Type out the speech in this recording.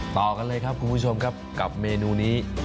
ต่อกันเลยครับคุณผู้ชมครับกับเมนูนี้